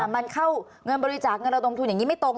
มันเข้าเงินบริจาคเงินระดมทุนอย่างนี้ไม่ตรง